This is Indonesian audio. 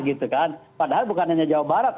gitu kan padahal bukan hanya jawa barat